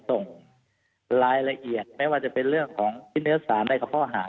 ส่งรายละเอียดไม่ว่าจะเป็นเรื่องของที่เนื้อสารอะไรกับข้อหา